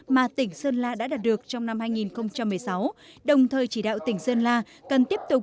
mà tỉnh sơn la đã đạt được trong năm hai nghìn một mươi sáu đồng thời chỉ đạo tỉnh sơn la cần tiếp tục